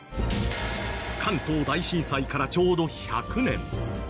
関東大震災からちょうど１００年。